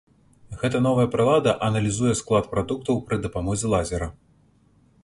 Гэта новая прылада аналізуе склад прадуктаў пры дапамозе лазера.